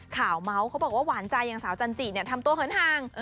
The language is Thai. เมาส์เขาบอกว่าหวานใจอย่างสาวจันจิทำตัวเหินห่าง